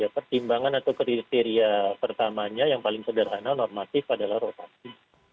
pertimbangan atau kriteria pertamanya yang paling sederhana normatif adalah rotasi